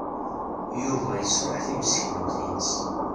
Yuba yesṛuḥ timseknewt-nnes.